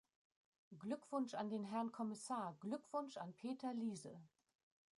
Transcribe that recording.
Gückwunsch an den Herrn Kommissar, Glückwunsch an Peter Liese!